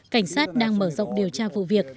cảnh sát đang mở rộng điều tra vụ việc